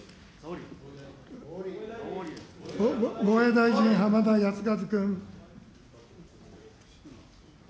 防衛大臣、浜田靖一君。